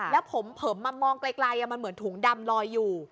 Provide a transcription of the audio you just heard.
แล้วผมมองไกลมันเหมือนถุงดำลอยอยู่